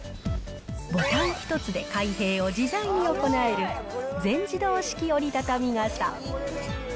ボタン一つで開閉を自在に行える、全自動式折りたたみ傘。